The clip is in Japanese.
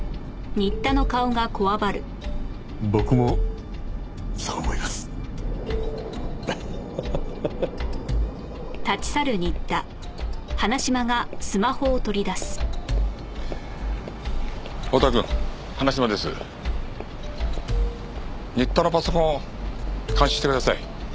新田のパソコンを監視してください。